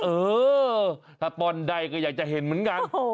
เออถ้าป้อนใดก็อยากจะเห็นเหมือนกัน